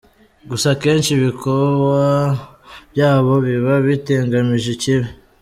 Gusa akenshi ibikowa byabo biba bitagamije ikibi.